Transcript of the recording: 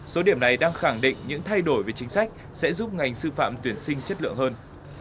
số điểm này đang khẳng định những thay đổi về chính sách sẽ giúp ngành sư phạm tuyển sinh chất lượng hơn